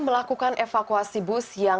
melakukan evakuasi bus yang